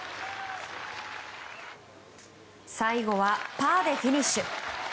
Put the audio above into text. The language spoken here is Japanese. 最後はパーでフィニッシュ。